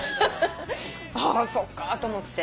あっそっかと思って。